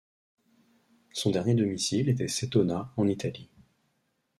Son dernier domicile était Cetona, en Italie.